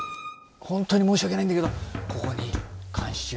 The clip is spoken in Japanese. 本当に申し訳ないんだけどここに監視用。